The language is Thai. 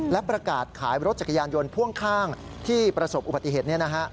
และประกาศขายรถจักรยานยนต์พ่วงข้างที่ประสบอุบัติเหตุนี้นะฮะ